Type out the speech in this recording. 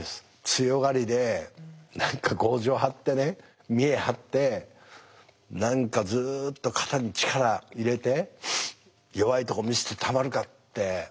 強がりで何か強情張ってね見え張って何かずっと肩に力入れて弱いとこ見せてたまるかって。